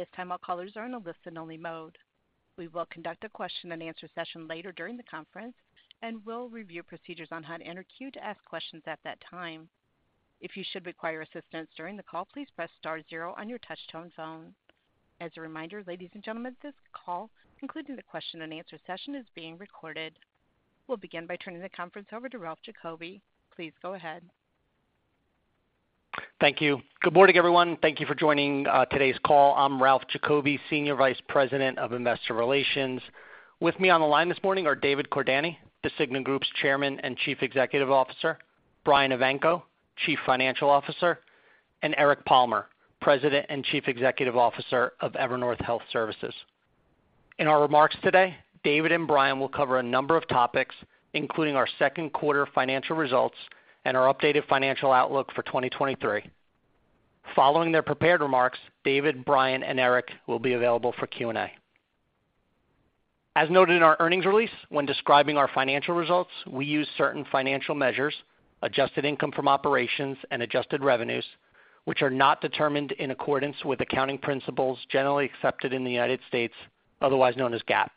At this time, all callers are in a listen-only mode. We will conduct a question-and-answer session later during the conference, and we'll review procedures on how to enter queue to ask questions at that time. If you should require assistance during the call, please press star zero on your touchtone phone. As a reminder, ladies and gentlemen, this call, including the question-and-answer session, is being recorded. We'll begin by turning the conference over to Ralph Giacobbe. Please go ahead. Thank you. Good morning, everyone. Thank you for joining today's call. I'm Ralph Giacobbe, Senior Vice President of Investor Relations. With me on the line this morning are David Cordani, The Cigna Group's Chairman and Chief Executive Officer, Brian Evanko, Chief Financial Officer, and Eric Palmer, President and Chief Executive Officer of Evernorth Health Services. In our remarks today, David and Brian will cover a number of topics, including our second quarter financial results and our updated financial outlook for 2023. Following their prepared remarks, David, Brian, and Eric will be available for Q&A. As noted in our earnings release, when describing our financial results, we use certain financial measures, adjusted income from operations and adjusted revenues, which are not determined in accordance with accounting principles generally accepted in the U.S., otherwise known as GAAP.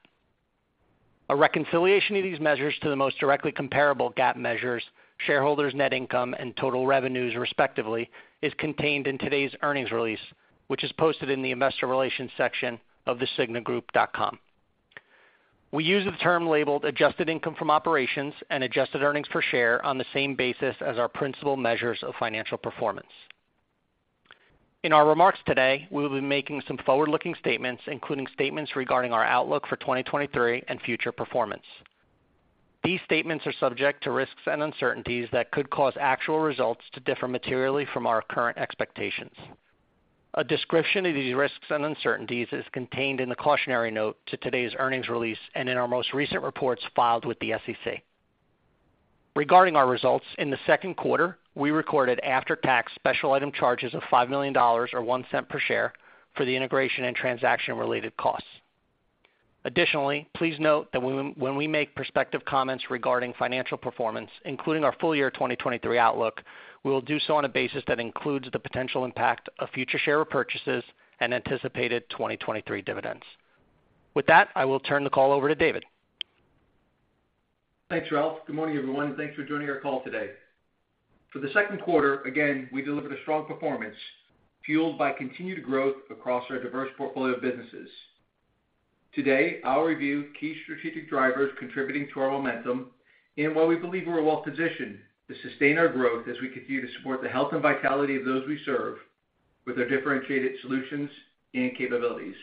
A reconciliation of these measures to the most directly comparable GAAP measures, shareholders' net income and total revenues, respectively, is contained in today's earnings release, which is posted in the Investor Relations section of thecignagroup.com. We use the term labeled adjusted income from operations and adjusted earnings per share on the same basis as our principal measures of financial performance. In our remarks today, we will be making some forward-looking statements, including statements regarding our outlook for 2023 and future performance. These statements are subject to risks and uncertainties that could cause actual results to differ materially from our current expectations. A description of these risks and uncertainties is contained in the cautionary note to today's earnings release and in our most recent reports filed with the SEC. Regarding our results, in the second quarter, we recorded after-tax special item charges of $5 million, or $0.01 per share, for the integration and transaction-related costs. Additionally, please note that when we make prospective comments regarding financial performance, including our full year 2023 outlook, we will do so on a basis that includes the potential impact of future share purchases and anticipated 2023 dividends. With that, I will turn the call over to David. Thanks, Ralph. Good morning, everyone, thanks for joining our call today. For the second quarter, again, we delivered a strong performance fueled by continued growth across our diverse portfolio of businesses. Today, I'll review key strategic drivers contributing to our momentum and why we believe we're well positioned to sustain our growth as we continue to support the health and vitality of those we serve with our differentiated solutions and capabilities.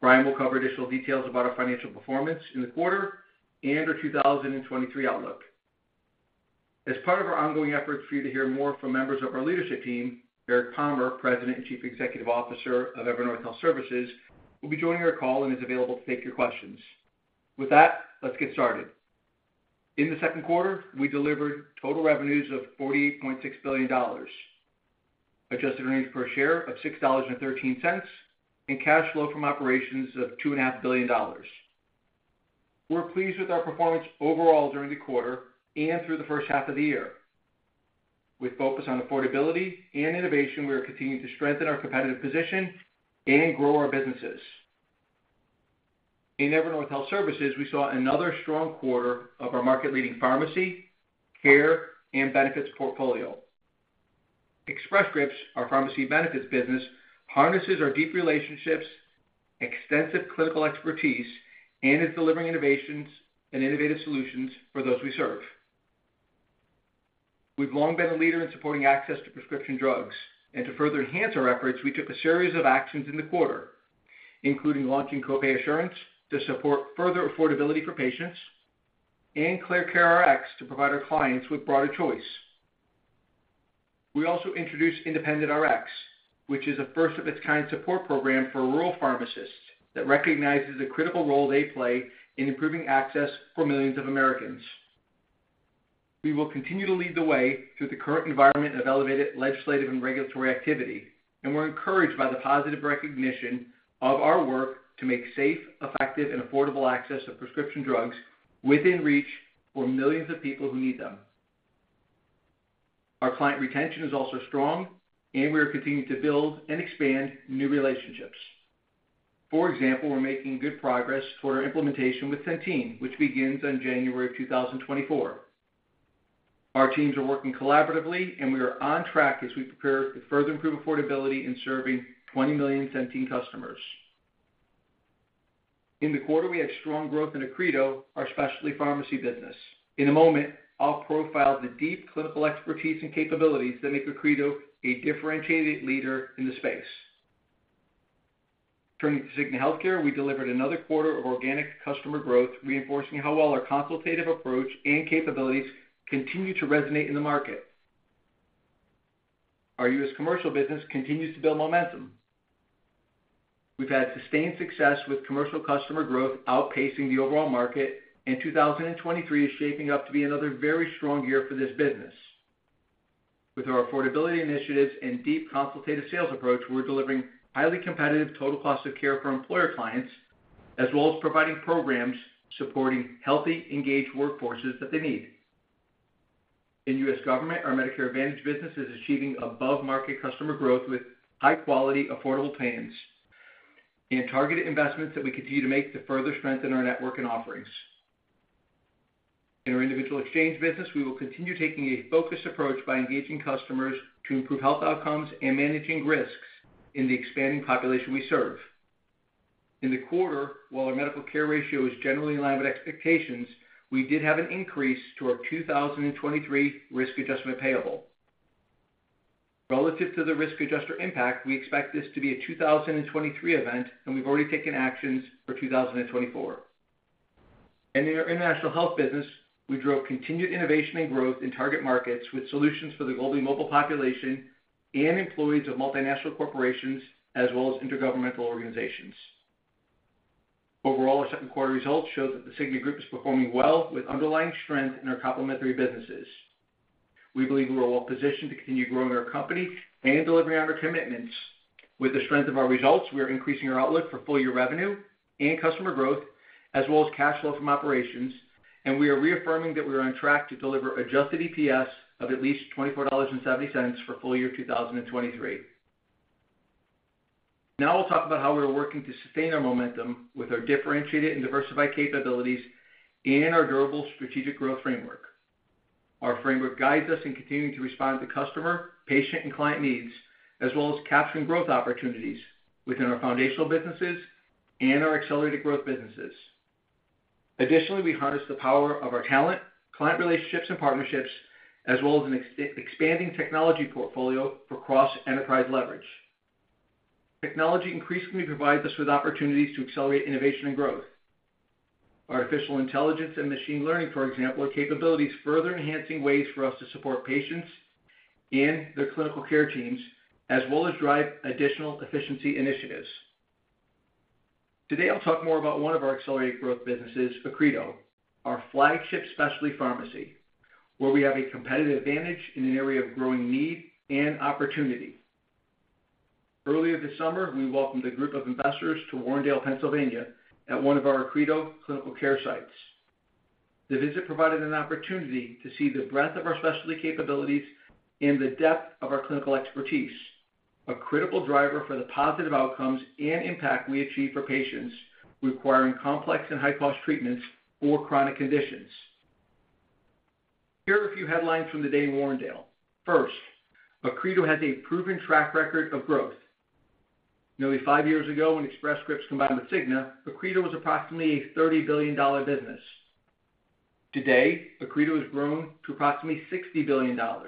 Brian will cover additional details about our financial performance in the quarter and our 2023 outlook. As part of our ongoing efforts for you to hear more from members of our leadership team, Eric Palmer, President and Chief Executive Officer of Evernorth Health Services, will be joining our call and is available to take your questions. With that, let's get started. In the second quarter, we delivered total revenues of $48.6 billion, adjusted earnings per share of $6.13, and cash flow from operations of $2.5 billion. We're pleased with our performance overall during the quarter and through the first half of the year. With focus on affordability and innovation, we are continuing to strengthen our competitive position and grow our businesses. In Evernorth Health Services, we saw another strong quarter of our market-leading pharmacy, care, and benefits portfolio. Express Scripts, our pharmacy benefits business, harnesses our deep relationships, extensive clinical expertise, and is delivering innovations and innovative solutions for those we serve. We've long been a leader in supporting access to prescription drugs, and to further enhance our efforts, we took a series of actions in the quarter, including launching Copay Assurance to support further affordability for patients and ClearCareRx to provide our clients with broader choice. We also introduced IndependentRx, which is a first-of-its-kind support program for rural pharmacists that recognizes the critical role they play in improving access for millions of Americans. We will continue to lead the way through the current environment of elevated legislative and regulatory activity, and we're encouraged by the positive recognition of our work to make safe, effective, and affordable access of prescription drugs within reach for millions of people who need them. Our client retention is also strong, and we are continuing to build and expand new relationships. For example, we're making good progress for our implementation with Centene, which begins on January 2024. Our teams are working collaboratively, and we are on track as we prepare to further improve affordability in serving 20 million Centene customers. In the quarter, we had strong growth in Accredo, our specialty pharmacy business. In a moment, I'll profile the deep clinical expertise and capabilities that make Accredo a differentiated leader in the space. Turning to Cigna Healthcare, we delivered another quarter of organic customer growth, reinforcing how well our consultative approach and capabilities continue to resonate in the market. Our U.S. commercial business continues to build momentum. We've had sustained success with commercial customer growth, outpacing the overall market, and 2023 is shaping up to be another very strong year for this business. With our affordability initiatives and deep consultative sales approach, we're delivering highly competitive total cost of care for employer clients, as well as providing programs supporting healthy, engaged workforces that they need. In U.S. government, our Medicare Advantage business is achieving above-market customer growth with high-quality, affordable plans and targeted investments that we continue to make to further strengthen our network and offerings. In our individual exchange business, we will continue taking a focused approach by engaging customers to improve health outcomes and managing risks in the expanding population we serve. In the quarter, while our medical care ratio is generally in line with expectations, we did have an increase to our 2023 risk adjustment payable. Relative to the risk adjuster impact, we expect this to be a 2023 event, and we've already taken actions for 2024. In our international health business, we drove continued innovation and growth in target markets with solutions for the globally mobile population and employees of multinational corporations, as well as intergovernmental organizations. Overall, our second quarter results show that The Cigna Group is performing well with underlying strength in our complementary businesses. We believe we are well positioned to continue growing our company and delivering on our commitments. With the strength of our results, we are increasing our outlook for full-year revenue and customer growth, as well as cash flow from operations, and we are reaffirming that we are on track to deliver adjusted EPS of at least $24.70 for full year 2023. Now I'll talk about how we are working to sustain our momentum with our differentiated and diversified capabilities and our durable strategic growth framework. Our framework guides us in continuing to respond to customer, patient, and client needs, as well as capturing growth opportunities within our foundational businesses and our accelerated growth businesses. Additionally, we harness the power of our talent, client relationships, and partnerships, as well as an expanding technology portfolio for cross-enterprise leverage. Technology increasingly provides us with opportunities to accelerate innovation and growth. Artificial intelligence and machine learning, for example, are capabilities further enhancing ways for us to support patients and their clinical care teams, as well as drive additional efficiency initiatives. Today, I'll talk more about one of our accelerated growth businesses, Accredo, our flagship specialty pharmacy, where we have a competitive advantage in an area of growing need and opportunity. Earlier this summer, we welcomed a group of investors to Warrendale, Pennsylvania, at one of our Accredo clinical care sites. The visit provided an opportunity to see the breadth of our specialty capabilities and the depth of our clinical expertise, a critical driver for the positive outcomes and impact we achieve for patients requiring complex and high-cost treatments or chronic conditions. Here are a few headlines from the day in Warrendale. First, Accredo has a proven track record of growth. Nearly five years ago, when Express Scripts combined with Cigna, Accredo was approximately a $30 billion business. Today, Accredo has grown to approximately $60 billion, and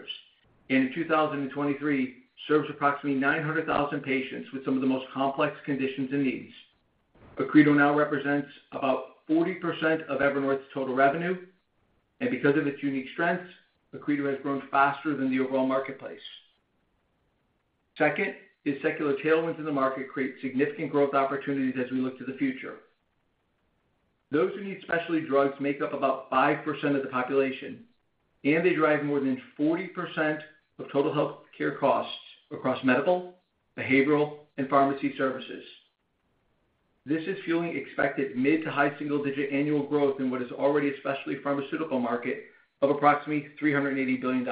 in 2023, serves approximately 900,000 patients with some of the most complex conditions and needs. Accredo now represents about 40% of Evernorth's total revenue, and because of its unique strengths, Accredo has grown faster than the overall marketplace. Second, is secular tailwinds in the market create significant growth opportunities as we look to the future. Those who need specialty drugs make up about 5% of the population, and they drive more than 40% of total healthcare costs across medical, behavioral, and pharmacy services. This is fueling expected mid- to high single-digit annual growth in what is already a specialty pharmaceutical market of approximately $380 billion.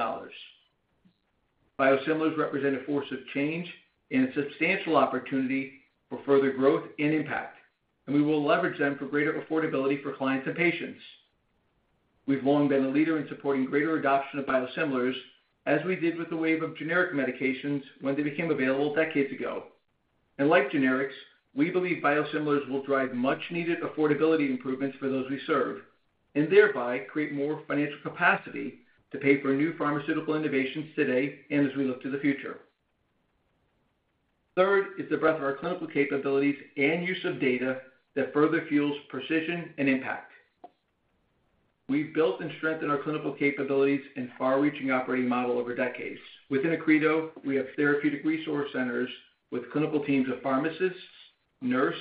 Biosimilars represent a force of change and a substantial opportunity for further growth and impact, and we will leverage them for greater affordability for clients and patients. We've long been a leader in supporting greater adoption of biosimilars, as we did with the wave of generic medications when they became available decades ago. Like generics, we believe biosimilars will drive much-needed affordability improvements for those we serve, and thereby create more financial capacity to pay for new pharmaceutical innovations today and as we look to the future. Third, is the breadth of our clinical capabilities and use of data that further fuels precision and impact. We've built and strengthened our clinical capabilities and far-reaching operating model over decades. Within Accredo, we have therapeutic resource centers with clinical teams of pharmacists, nurse,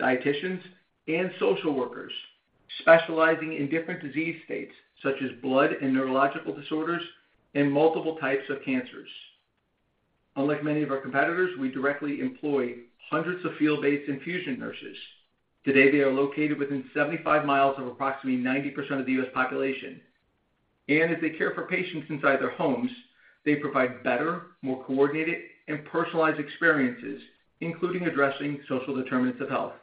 dietitians, and social workers specializing in different disease states, such as blood and neurological disorders, and multiple types of cancers. Unlike many of our competitors, we directly employ hundreds of field-based infusion nurses. Today, they are located within 75 miles of approximately 90% of the U.S. population. As they care for patients inside their homes, they provide better, more coordinated, and personalized experiences, including addressing social determinants of health.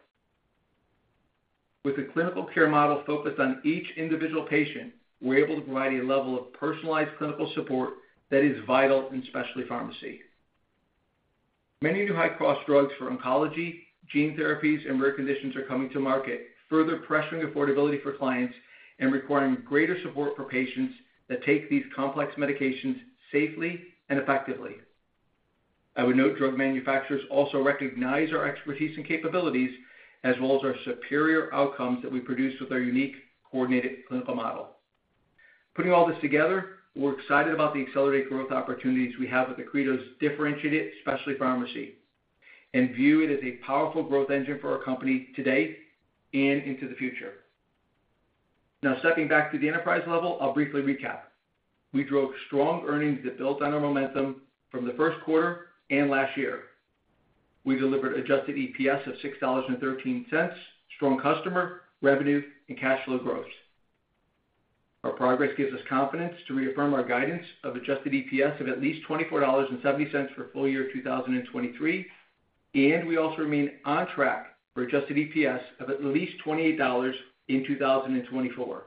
With a clinical care model focused on each individual patient, we're able to provide a level of personalized clinical support that is vital in specialty pharmacy. Many new high-cost drugs for oncology, gene therapies, and rare conditions are coming to market, further pressuring affordability for clients and requiring greater support for patients that take these complex medications safely and effectively. I would note, drug manufacturers also recognize our expertise and capabilities, as well as our superior outcomes that we produce with our unique, coordinated clinical model. Putting all this together, we're excited about the accelerated growth opportunities we have with Accredo's differentiated specialty pharmacy, and view it as a powerful growth engine for our company today and into the future. Stepping back to the enterprise level, I'll briefly recap. We drove strong earnings that built on our momentum from the first quarter and last year. We delivered adjusted EPS of $6.13, strong customer, revenue, and cash flow growth. Our progress gives us confidence to reaffirm our guidance of adjusted EPS of at least $24.70 for full year 2023. We also remain on track for adjusted EPS of at least $28 in 2024.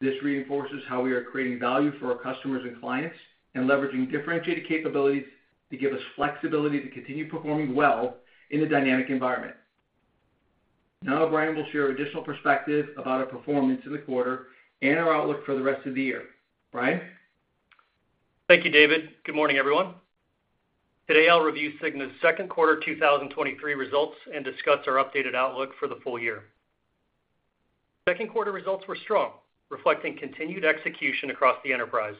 This reinforces how we are creating value for our customers and clients and leveraging differentiated capabilities to give us flexibility to continue performing well in a dynamic environment. Brian will share additional perspective about our performance in the quarter and our outlook for the rest of the year. Brian? Thank you, David. Good morning, everyone. Today, I'll review Cigna's second quarter 2023 results and discuss our updated outlook for the full year. Second quarter results were strong, reflecting continued execution across the enterprise.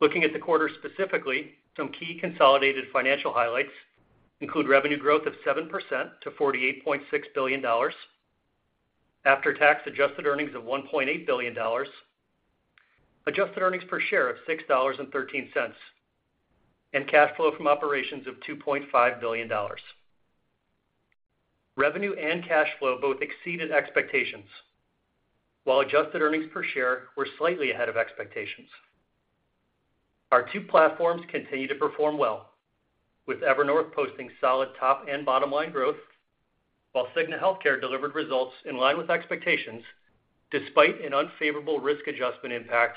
Looking at the quarter specifically, some key consolidated financial highlights include revenue growth of 7% to $48.6 billion, after-tax adjusted earnings of $1.8 billion, adjusted earnings per share of $6.13, and cash flow from operations of $2.5 billion. Revenue and cash flow both exceeded expectations, while adjusted earnings per share were slightly ahead of expectations. Our two platforms continue to perform well, with Evernorth posting solid top and bottom line growth, while Cigna Healthcare delivered results in line with expectations, despite an unfavorable risk adjustment impact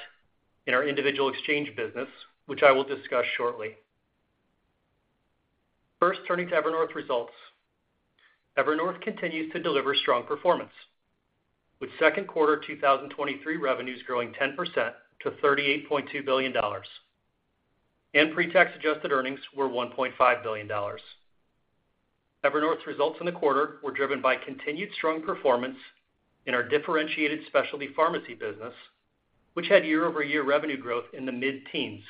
in our individual exchange business, which I will discuss shortly. First, turning to Evernorth results. Evernorth continues to deliver strong performance, with second quarter 2023 revenues growing 10% to $38.2 billion, and pre-tax adjusted earnings were $1.5 billion. Evernorth's results in the quarter were driven by continued strong performance in our differentiated specialty pharmacy business, which had year-over-year revenue growth in the mid-teens,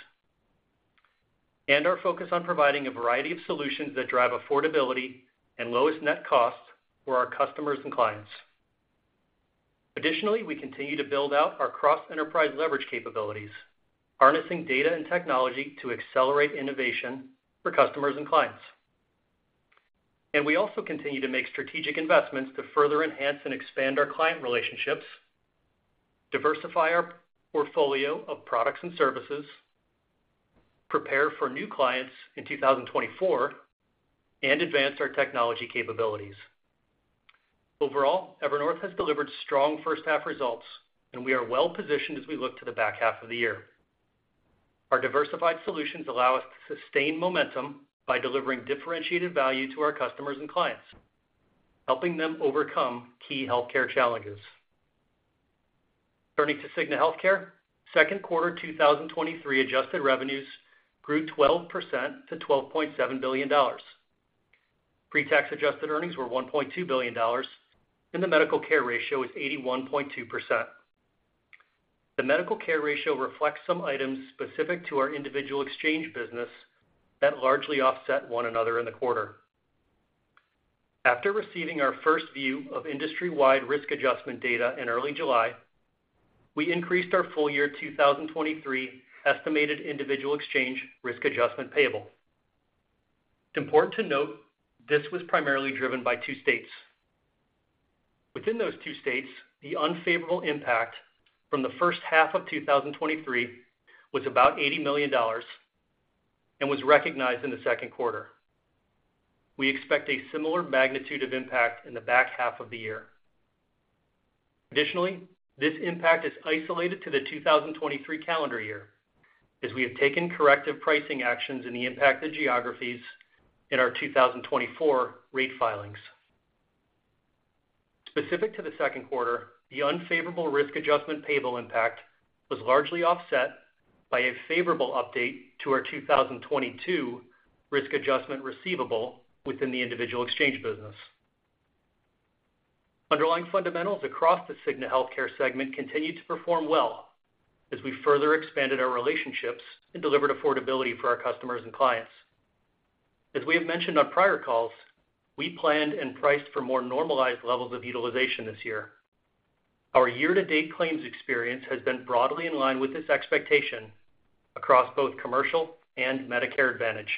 and our focus on providing a variety of solutions that drive affordability and lowest net costs for our customers and clients. Additionally, we continue to build out our cross-enterprise leverage capabilities, harnessing data and technology to accelerate innovation for customers and clients. We also continue to make strategic investments to further enhance and expand our client relationships, diversify our portfolio of products and services, prepare for new clients in 2024, and advance our technology capabilities. Overall, Evernorth has delivered strong first half results, and we are well positioned as we look to the back half of the year. Our diversified solutions allow us to sustain momentum by delivering differentiated value to our customers and clients, helping them overcome key healthcare challenges. Turning to Cigna Healthcare. Second quarter 2023 adjusted revenues grew 12% to $12.7 billion. Pre-tax adjusted earnings were $1.2 billion, and the medical care ratio is 81.2%. The medical care ratio reflects some items specific to our individual exchange business that largely offset one another in the quarter. After receiving our first view of industry-wide risk adjustment data in early July, we increased our full year 2023 estimated individual exchange risk adjustment payable. It's important to note this was primarily driven by two states. Within those two states, the unfavorable impact from the first half of 2023 was about $80 million and was recognized in the second quarter. We expect a similar magnitude of impact in the back half of the year. This impact is isolated to the 2023 calendar year, as we have taken corrective pricing actions in the impacted geographies in our 2024 rate filings. Specific to the second quarter, the unfavorable risk adjustment payable impact was largely offset by a favorable update to our 2022 risk adjustment receivable within the individual exchange business. Underlying fundamentals across the Cigna Healthcare segment continued to perform well as we further expanded our relationships and delivered affordability for our customers and clients. As we have mentioned on prior calls, we planned and priced for more normalized levels of utilization this year. Our year-to-date claims experience has been broadly in line with this expectation across both commercial and Medicare Advantage.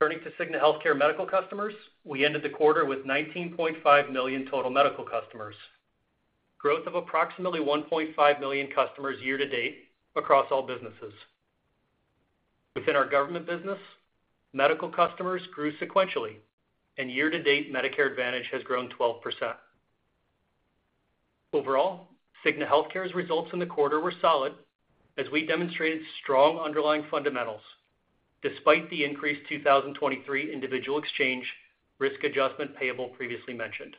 Turning to Cigna Healthcare medical customers, we ended the quarter with 19.5 million total medical customers, growth of approximately 1.5 million customers year-to-date across all businesses. Within our government business, medical customers grew sequentially, year-to-date, Medicare Advantage has grown 12%. Overall, Cigna Healthcare's results in the quarter were solid as we demonstrated strong underlying fundamentals, despite the increased 2023 individual exchange risk adjustment payable previously mentioned.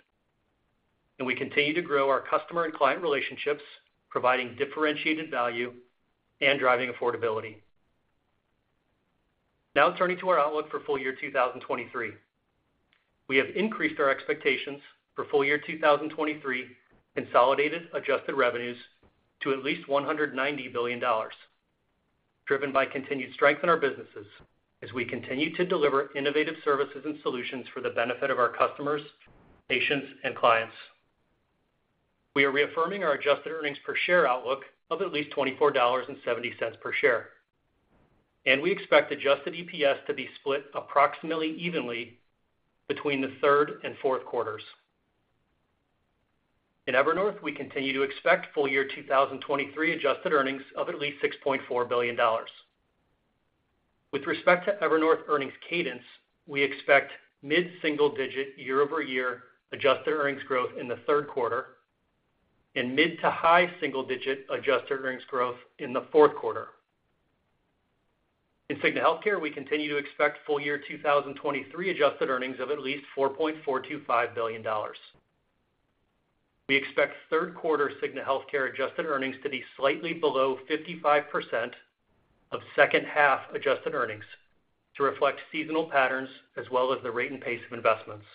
We continue to grow our customer and client relationships, providing differentiated value and driving affordability. Now, turning to our outlook for full year 2023. We have increased our expectations for full year 2023 consolidated adjusted revenues to at least $190 billion, driven by continued strength in our businesses as we continue to deliver innovative services and solutions for the benefit of our customers, patients, and clients. We are reaffirming our adjusted earnings per share outlook of at least $24.70 per share, and we expect adjusted EPS to be split approximately evenly between the third quarter and fourth quarter. In Evernorth, we continue to expect full year 2023 adjusted earnings of at least $6.4 billion. With respect to Evernorth earnings cadence, we expect mid-single digit year-over-year adjusted earnings growth in the third quarter and mid to high single digit adjusted earnings growth in the fourth quarter. In Cigna Healthcare, we continue to expect full year 2023 adjusted earnings of at least $4.425 billion. We expect third quarter Cigna Healthcare adjusted earnings to be slightly below 55% of second half adjusted earnings to reflect seasonal patterns, as well as the rate and pace of investments.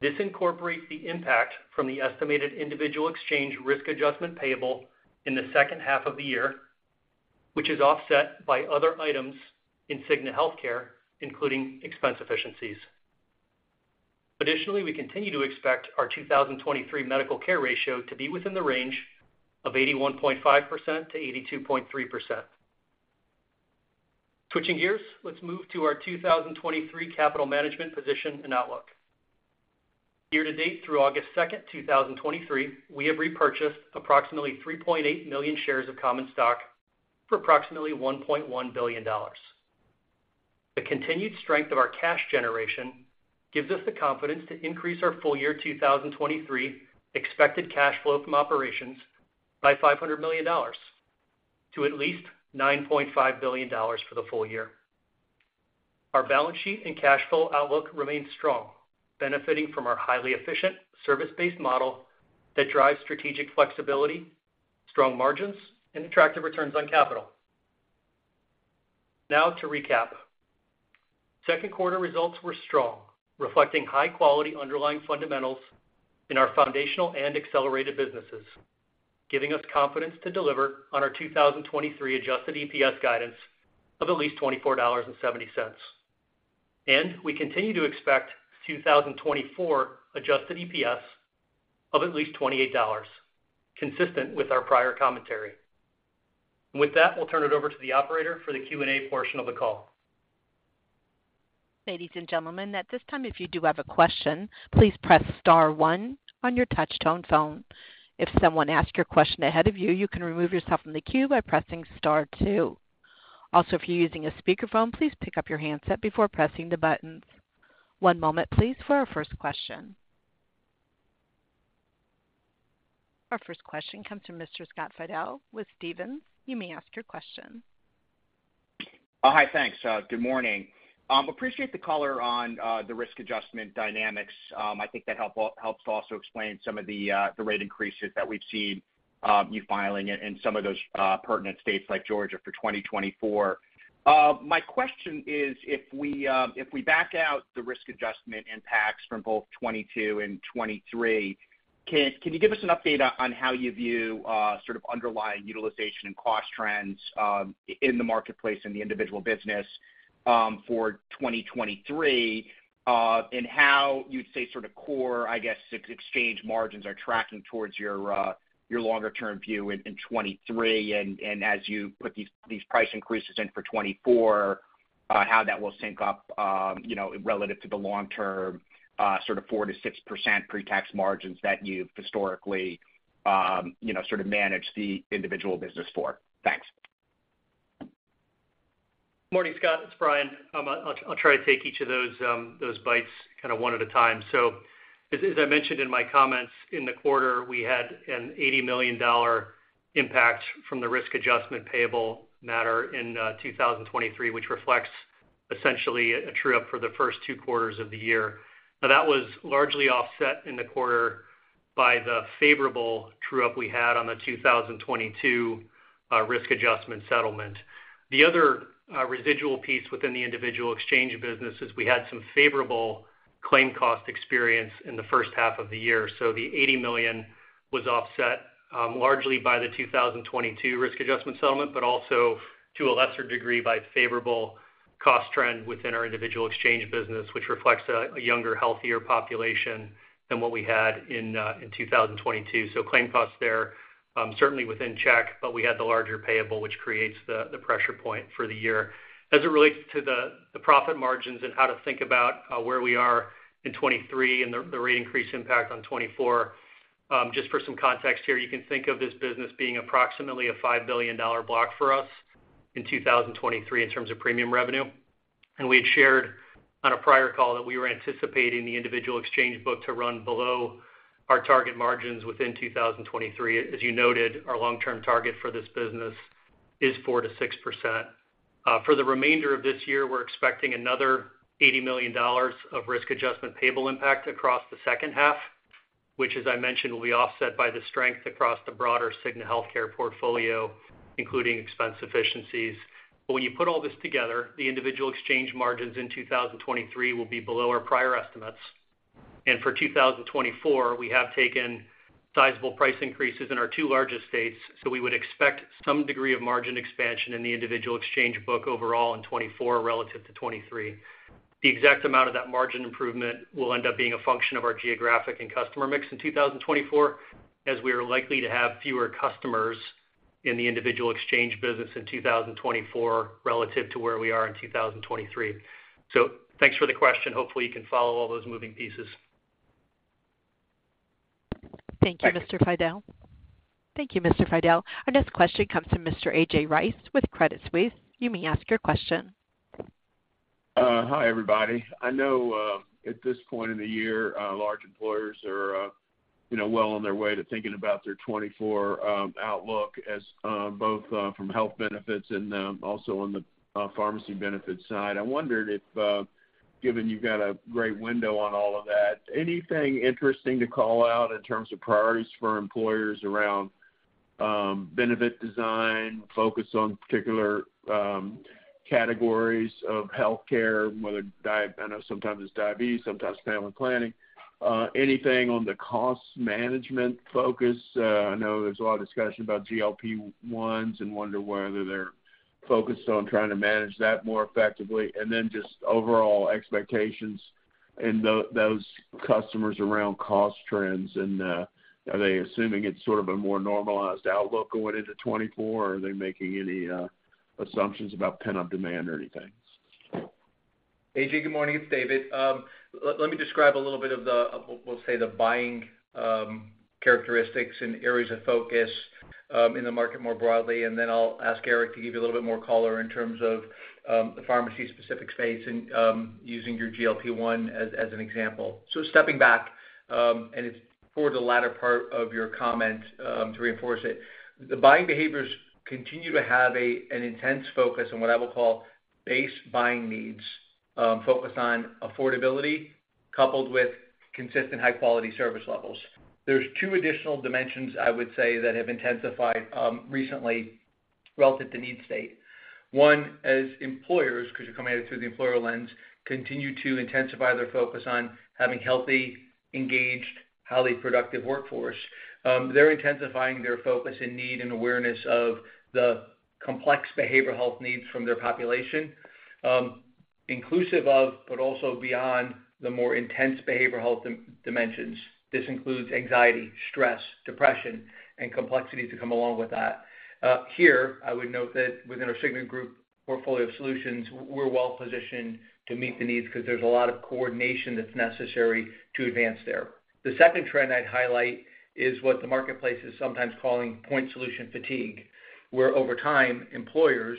This incorporates the impact from the estimated individual exchange risk adjustment payable in the second half of the year, which is offset by other items in Cigna Healthcare, including expense efficiencies. Additionally, we continue to expect our 2023 medical care ratio to be within the range of 81.5%-82.3%. Switching gears, let's move to our 2023 capital management position and outlook. Year to date through August second, 2023, we have repurchased approximately 3.8 million shares of common stock for approximately $1.1 billion. The continued strength of our cash generation gives us the confidence to increase our full year 2023 expected cash flow from operations by $500 million to at least $9.5 billion for the full year. Our balance sheet and cash flow outlook remains strong, benefiting from our highly efficient service-based model that drives strategic flexibility, strong margins, and attractive returns on capital. Now to recap, second quarter results were strong, reflecting high quality underlying fundamentals in our foundational and accelerated businesses, giving us confidence to deliver on our 2023 adjusted EPS guidance of at least $24.70. We continue to expect 2024 adjusted EPS of at least $28, consistent with our prior commentary. With that, we'll turn it over to the operator for the Q&A portion of the call. Ladies and gentlemen, at this time, if you do have a question, please press star one on your touchtone phone. If someone asks your question ahead of you, you can remove yourself from the queue by pressing star two. Also, if you're using a speakerphone, please pick up your handset before pressing the buttons. One moment, please, for our first question. Our first question comes from Mr. Scott Fidel with Stephens. You may ask your question. Hi, thanks. Good morning. Appreciate the color on the risk adjustment dynamics. I think that help- helps to also explain some of the rate increases that we've seen, you filing in, in some of those pertinent states like Georgia for 2024. My question is, if we, if we back out the risk adjustment impacts from both 2022 and 2023, can you give us an update on how you view sort of underlying utilization and cost trends in the marketplace in the individual business for 2023, and how you'd say sort of core, I guess, exchange margins are tracking towards your longer term view in 2023, and as you put these, these price increases in for 2024, how that will sync up, you know, relative to the long term, sort of 4%-6% pretax margins that you've historically, you know, sort of managed the individual business for? Thanks. Morning, Scott, it's Brian. I'll try to take each of those, those bites kind of one at a time. As I mentioned in my comments, in the quarter, we had an $80 million impact from the risk adjustment payable matter in 2023, which reflects essentially a true-up for the first two quarters of the year. Now, that was largely offset in the quarter by the favorable true-up we had on the 2022 risk adjustment settlement. The other, residual piece within the individual exchange business is we had some favorable claim cost experience in the first half of the year. The $80 million was offset largely by the 2022 risk adjustment settlement, but also to a lesser degree by favorable cost trend within our individual exchange business, which reflects a younger, healthier population than what we had in 2022. Claim costs there, certainly within check, but we had the larger payable, which creates the pressure point for the year. As it relates to the profit margins and how to think about where we are in 2023 and the rate increase impact on 2024, just for some context here, you can think of this business being approximately a $5 billion block for us in 2023 in terms of premium revenue. We had shared on a prior call that we were anticipating the individual exchange book to run below our target margins within 2023. As you noted, our long-term target for this business is 4%-6%. For the remainder of this year, we're expecting another $80 million of risk adjustment payable impact across the second half, which, as I mentioned, will be offset by the strength across the broader Cigna Healthcare portfolio, including expense efficiencies. When you put all this together, the individual exchange margins in 2023 will be below our prior estimates, and for 2024, we have taken sizable price increases in our two largest states, so we would expect some degree of margin expansion in the individual exchange book overall in 2024 relative to 2023. The exact amount of that margin improvement will end up being a function of our geographic and customer mix in 2024, as we are likely to have fewer customers in the individual exchange business in 2024 relative to where we are in 2023. Thanks for the question. Hopefully, you can follow all those moving pieces. Thank you, Mr. Fidel. Thank you, Mr. Fidel. Our next question comes from Mr. A.J. Rice with Credit Suisse. You may ask your question. Hi, everybody. I know, at this point in the year, large employers are, you know, well on their way to thinking about their 2024 outlook as both from health benefits and also on the pharmacy benefit side. I wondered if, given you've got a great window on all of that, anything interesting to call out in terms of priorities for employers around benefit design, focus on particular categories of healthcare, whether I know sometimes it's diabetes, sometimes family planning. Anything on the cost management focus? I know there's a lot of discussion about GLP-1s and wonder whether they're focused on trying to manage that more effectively. Then just overall expectations in those customers around cost trends, and, are they assuming it's sort of a more normalized outlook going into 2024, or are they making any, assumptions about pent-up demand or anything? AJ, good morning. It's David. Let, let me describe a little bit of the, we'll, we'll say, the buying characteristics and areas of focus in the market more broadly, and then I'll ask Eric to give you a little bit more color in terms of the pharmacy-specific space and using your GLP-1 as an example. Stepping back, and it's for the latter part of your comment, to reinforce it. The buying behaviors continue to have a, an intense focus on what I will call base buying needs, focused on affordability, coupled with consistent high-quality service levels. There's two additional dimensions I would say that have intensified recently relative to need state. One, as employers, 'cause you're coming at it through the employer lens, continue to intensify their focus on having healthy, engaged, highly productive workforce. They're intensifying their focus and need and awareness of the complex behavioral health needs from their population, inclusive of, but also beyond the more intense behavioral health dimensions. This includes anxiety, stress, depression, and complexities that come along with that. Here, I would note that within our Cigna Group portfolio of solutions, we're well positioned to meet the needs because there's a lot of coordination that's necessary to advance there. The second trend I'd highlight is what the marketplace is sometimes calling point solution fatigue, where over time, employers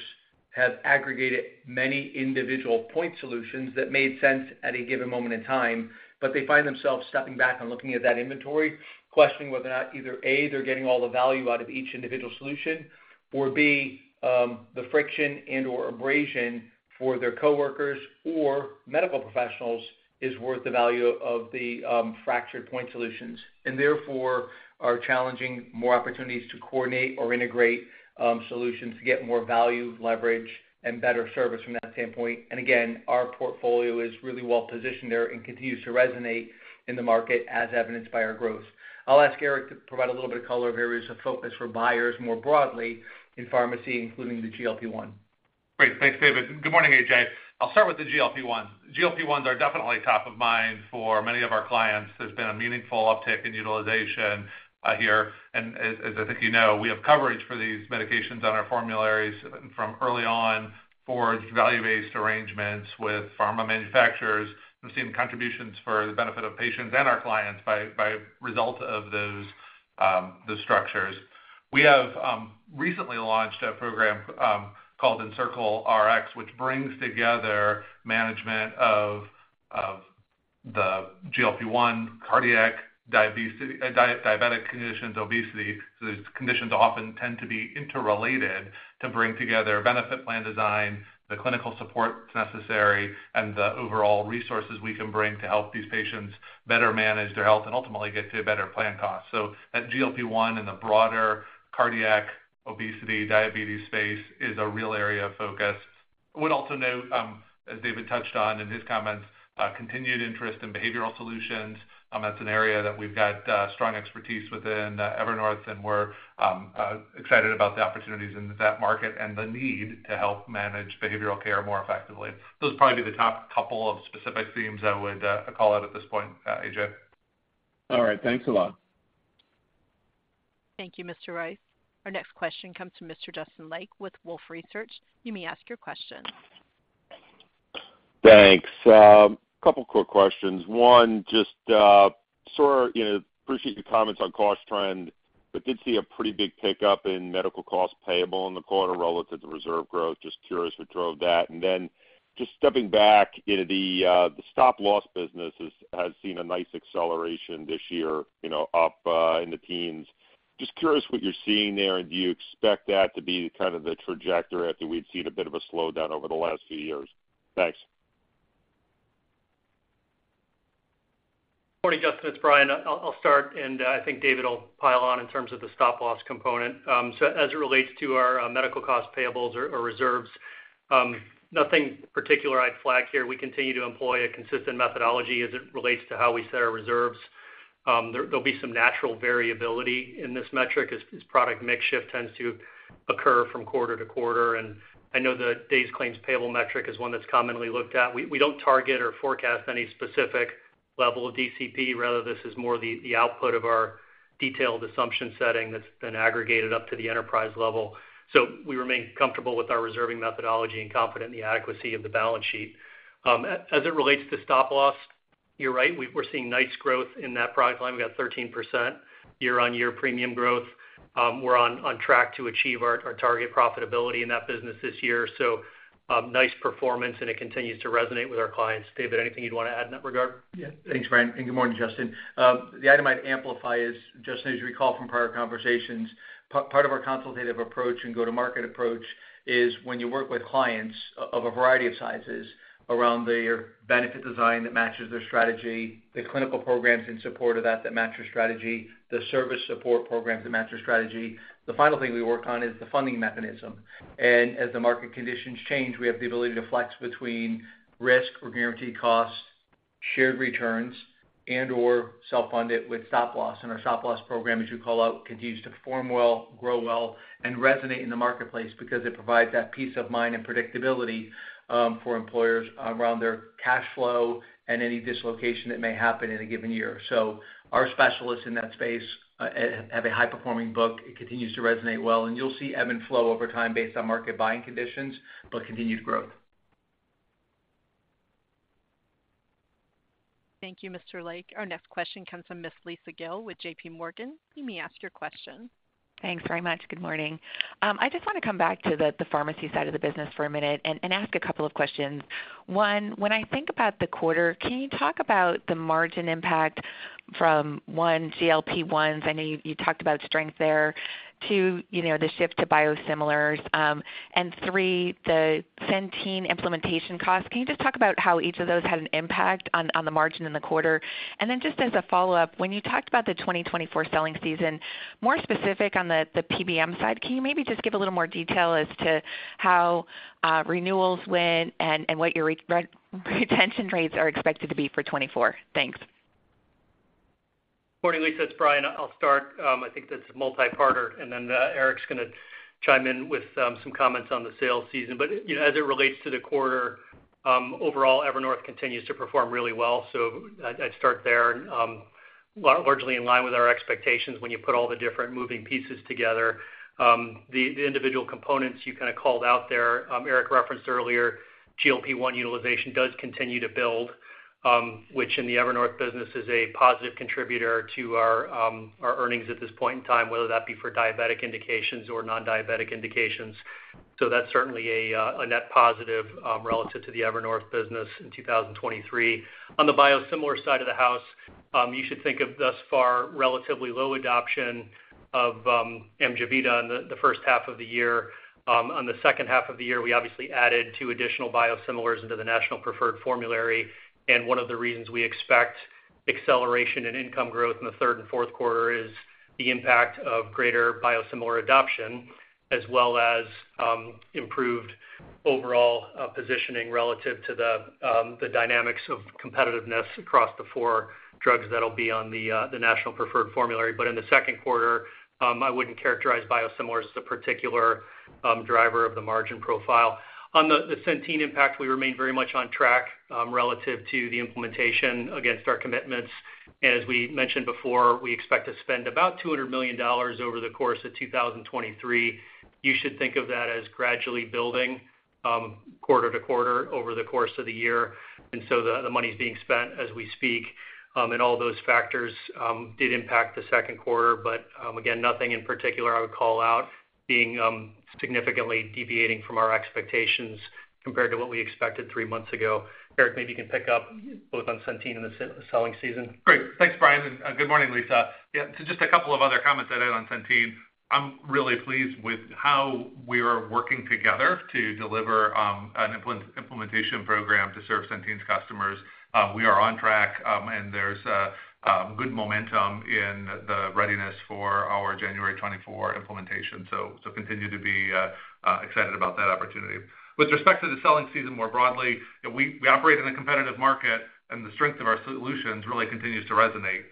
have aggregated many individual point solutions that made sense at a given moment in time, but they find themselves stepping back and looking at that inventory, questioning whether or not either, A, they're getting all the value out of each individual solution, or B, the friction and/or abrasion for their coworkers or medical professionals is worth the value of the fractured point solutions, and therefore, are challenging more opportunities to coordinate or integrate solutions to get more value, leverage, and better service from that standpoint. Again, our portfolio is really well positioned there and continues to resonate in the market, as evidenced by our growth. I'll ask Eric to provide a little bit of color of areas of focus for buyers more broadly in pharmacy, including the GLP-1. Great. Thanks, David. Good morning, A.J. I'll start with the GLP-1. GLP-1s are definitely top of mind for many of our clients. There's been a meaningful uptick in utilization here. And as, as I think you know, we have coverage for these medications on our formularies from early on for value-based arrangements with pharma manufacturers, and we've seen contributions for the benefit of patients and our clients by, by result of those the structures. We have recently launched a program called EncircleRx, which brings together management of, of the GLP-1, cardiac, diabetes, diabetic conditions, obesity. These conditions often tend to be interrelated to bring together benefit plan design, the clinical support that's necessary, and the overall resources we can bring to help these patients better manage their health and ultimately get to a better plan cost. That GLP-1 and the broader cardiac, obesity, diabetes space is a real area of focus. I would also note, as David touched on in his comments, continued interest in behavioral solutions, that's an area that we've got strong expertise within Evernorth, and we're excited about the opportunities in that market and the need to help manage behavioral care more effectively. Those would probably be the top couple of specific themes I would call out at this point, A.J. All right. Thanks a lot. Thank you, Mr. Rice. Our next question comes from Mr. Justin Lake with Wolfe Research. You may ask your question. Thanks. A couple quick questions. One, just, sort of, you know, appreciate your comments on cost trend, but did see a pretty big pickup in medical costs payable in the quarter relative to reserve growth. Just curious what drove that. Then just stepping back, you know, the, the stop-loss business has, has seen a nice acceleration this year, you know, up, in the teens. Just curious what you're seeing there, and do you expect that to be kind of the trajectory after we've seen a bit of a slowdown over the last few years? Thanks. Morning, Justin, it's Brian. I'll, I'll start, and I think David will pile on in terms of the stop-loss component. As it relates to our, medical cost payables or, or reserves, nothing particular I'd flag here. We continue to employ a consistent methodology as it relates to how we set our reserves. There, there'll be some natural variability in this metric as, as product mix shift tends to occur from quarter to quarter. I know the days claims payable metric is one that's commonly looked at. We, we don't target or forecast any specific level of DCP. Rather, this is more the, the output of our detailed assumption setting that's been aggregated up to the enterprise level. We remain comfortable with our reserving methodology and confident in the adequacy of the balance sheet. As it relates to stop-loss, you're right, we're seeing nice growth in that product line. We got 13% year-on-year premium growth. We're on, on track to achieve our, our target profitability in that business this year. Nice performance, and it continues to resonate with our clients. David, anything you'd want to add in that regard? Yeah. Thanks, Brian, and good morning, Justin. The item I'd amplify is, Justin, as you recall from prior conversations, part of our consultative approach and go-to-market approach is when you work with clients of, of a variety of sizes around their benefit design that matches their strategy, the clinical programs in support of that, that match their strategy, the service support programs that match their strategy. The final thing we work on is the funding mechanism. As the market conditions change, we have the ability to flex between risk or guaranteed costs, shared returns, and/or self-fund it with stop-loss. Our stop-loss program, as you call out, continues to perform well, grow well, and resonate in the marketplace because it provides that peace of mind and predictability for employers around their cash flow and any dislocation that may happen in a given year. Our specialists in that space have a high-performing book. It continues to resonate well, and you'll see ebb and flow over time based on market buying conditions, but continued growth. Thank you, Mr. Lake. Our next question comes from Miss Lisa Gill with JPMorgan. You may ask your question. Thanks very much. Good morning. I just want to come back to the pharmacy side of the business for a minute and ask a couple of questions. 1, when I think about the quarter, can you talk about the margin impact from one, GLP-1s? I know you talked about strength there. two, you know, the shift to biosimilars, and three, the Centene implementation costs. Can you just talk about how each of those had an impact on the margin in the quarter? Then just as a follow-up, when you talked about the 2024 selling season, more specific on the PBM side, can you maybe just give a little more detail as to how renewals went and what your retention rates are expected to be for 2024? Thanks. Morning, Lisa, it's Brian. I'll start. I think this is a multi-parter, and then Eric's gonna chime in with some comments on the sales season. You know, as it relates to the quarter, overall, Evernorth continues to perform really well, so I'd, I'd start there. Well, largely in line with our expectations when you put all the different moving pieces together. The individual components you kind of called out there, Eric referenced earlier, GLP-1 utilization does continue to build, which in the Evernorth business is a positive contributor to our earnings at this point in time, whether that be for diabetic indications or non-diabetic indications. That's certainly a net positive relative to the Evernorth business in 2023. On the biosimilar side of the house, you should think of thus far, relatively low adoption of Amjevita in the first half of the year. On the second half of the year, we obviously added two additional biosimilars into the National Preferred Formulary, and one of the reasons we expect acceleration in income growth in the third and fourth quarter is the impact of greater biosimilar adoption, as well as improved overall positioning relative to the dynamics of competitiveness across the four drugs that'll be on the National Preferred Formulary. In the second quarter, I wouldn't characterize biosimilars as a particular driver of the margin profile. On the Centene impact, we remain very much on track relative to the implementation against our commitments. As we mentioned before, we expect to spend about $200 million over the course of 2023. You should think of that as gradually building, quarter to quarter over the course of the year. So the, the money is being spent as we speak, and all those factors did impact the second quarter. Again, nothing in particular I would call out being significantly deviating from our expectations compared to what we expected three months ago. Eric, maybe you can pick up both on Centene and the selling season. Great. Thanks, Brian. Good morning, Lisa. Just a couple of other comments to add on Centene. I'm really pleased with how we are working together to deliver an implementation program to serve Centene's customers. We are on track. There's good momentum in the readiness for our January 2024 implementation, so continue to be excited about that opportunity. With respect to the selling season more broadly, we operate in a competitive market. The strength of our solutions really continues to resonate.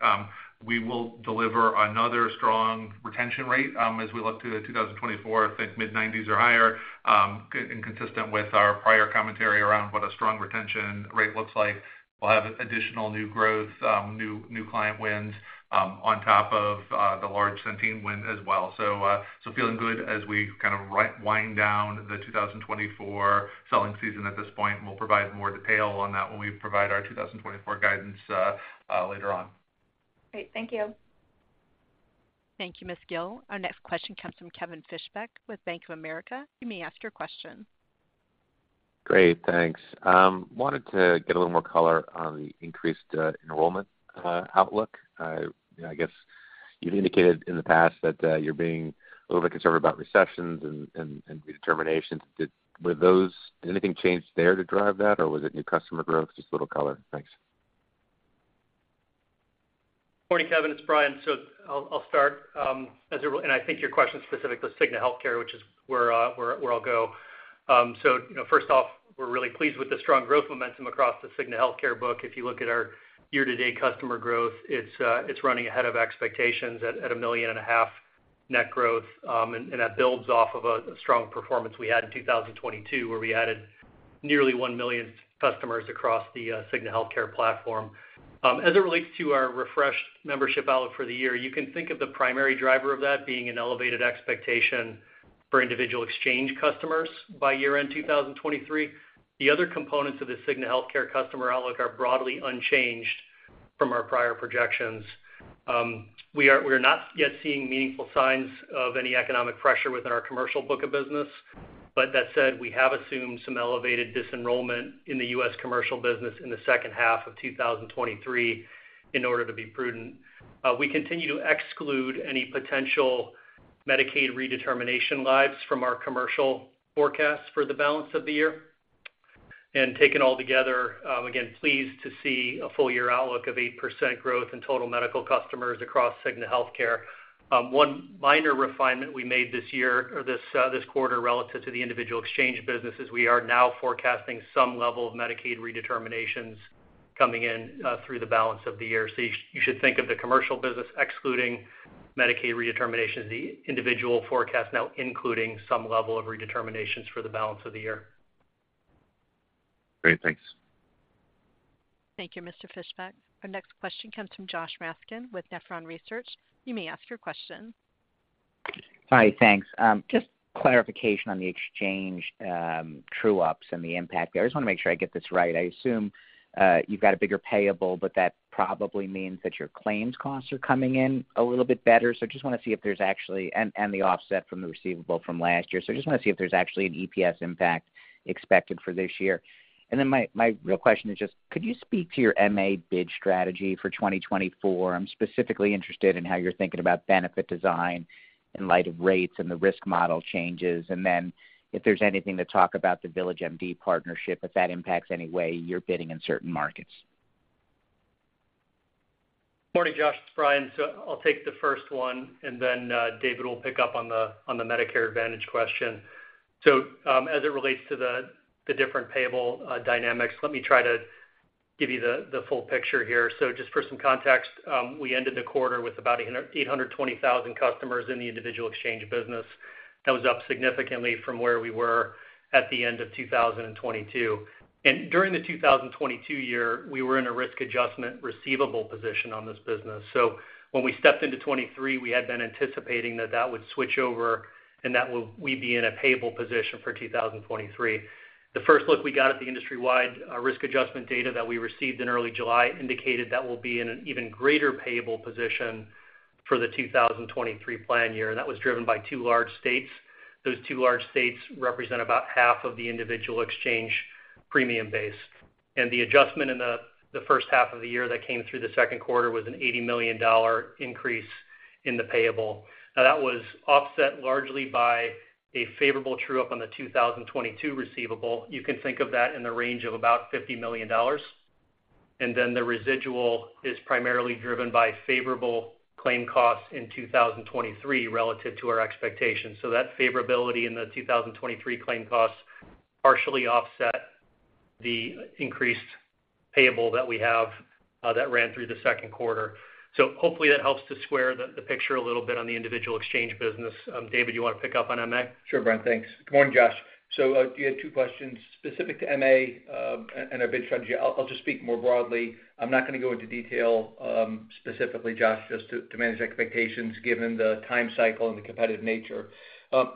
We will deliver another strong retention rate as we look to 2024. I think mid-90s or higher, consistent with our prior commentary around what a strong retention rate looks like. We'll have additional new growth, new, new client wins, on top of the large Centene win as well. Feeling good as we kind of wind down the 2024 selling season at this point, and we'll provide more detail on that when we provide our 2024 guidance later on. Great. Thank you. Thank you, Miss Gill. Our next question comes from Kevin Fischbeck with Bank of America. You may ask your question. Great, thanks. wanted to get a little more color on the increased enrollment outlook. I guess you've indicated in the past that you're being a little bit concerned about recessions and, and, and redeterminations. Did anything change there to drive that, or was it new customer growth? Just a little color. Thanks. Morning, Kevin, it's Brian. I'll, I'll start. As it and I think your question is specific to Cigna Healthcare, which is where, where I'll go. You know, first off, we're really pleased with the strong growth momentum across the Cigna Healthcare book. If you look at our year-to-date customer growth, it's, it's running ahead of expectations at, at 1.5 million net growth. That builds off of a strong performance we had in 2022, where we added nearly 1 million customers across the Cigna Healthcare platform. As it relates to our refreshed membership outlook for the year, you can think of the primary driver of that being an elevated expectation for individual exchange customers by year-end 2023. The other components of the Cigna Healthcare customer outlook are broadly unchanged from our prior projections. We're not yet seeing meaningful signs of any economic pressure within our commercial book of business. That said, we have assumed some elevated disenrollment in the U.S. commercial business in the second half of 2023 in order to be prudent. We continue to exclude any potential Medicaid redetermination lives from our commercial forecast for the balance of the year. Taken all together, again, pleased to see a full year outlook of 8% growth in total medical customers across Cigna Healthcare. One minor refinement we made this year or this quarter relative to the individual exchange business is we are now forecasting some level of Medicaid redeterminations coming in through the balance of the year. You, you should think of the commercial business excluding Medicaid redeterminations, the individual forecast now including some level of redeterminations for the balance of the year. Great. Thanks. Thank you, Mr. Fischbeck. Our next question comes from Josh Raskin with Nephron Research. You may ask your question. Hi, thanks. Just clarification on the exchange, true-ups and the impact there. I just want to make sure I get this right. I assume, you've got a bigger payable, but that probably means that your claims costs are coming in a little bit better. The offset from the receivable from last year. Just want to see if there's actually an EPS impact expected for this year. Then my real question is just, could you speak to your MA bid strategy for 2024? I'm specifically interested in how you're thinking about benefit design in light of rates and the risk model changes. Then if there's anything to talk about the VillageMD partnership, if that impacts any way you're bidding in certain markets. Morning, Josh, it's Brian. I'll take the first one, and then David will pick up on the, on the Medicare Advantage question. As it relates to the, the different payable dynamics, let me try to give you the, the full picture here. Just for some context, we ended the quarter with about 820,000 customers in the individual exchange business. That was up significantly from where we were at the end of 2022. During the 2022 year, we were in a risk adjustment receivable position on this business. When we stepped into 2023, we had been anticipating that that would switch over and that we'd be in a payable position for 2023. The first look we got at the industry-wide, risk adjustment data that we received in early July indicated that we'll be in an even greater payable position for the 2023 plan year. That was driven by 2 large states. Those 2 large states represent about half of the individual exchange premium base. The adjustment in the first half of the year that came through the second quarter was an $80 million increase in the payable. That was offset largely by a favorable true-up on the 2022 receivable. You can think of that in the range of about $50 million. The residual is primarily driven by favorable claim costs in 2023 relative to our expectations. That favorability in the 2023 claim costs partially offset the increased payable that we have that ran through the 2Q. Hopefully that helps to square the, the picture a little bit on the individual exchange business. David, you want to pick up on MA? Sure, Brian, thanks. Good morning, Josh. You had two questions specific to MA and our bid strategy. I'll just speak more broadly. I'm not going to go into detail, specifically, Josh, just to manage expectations, given the time cycle and the competitive nature.